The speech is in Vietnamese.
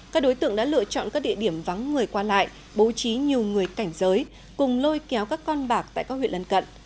các đối tượng đã lựa chọn các địa điểm vắng người qua lại bố trí nhiều người cảnh giới cùng lôi kéo các con bạc tại các huyện lần cận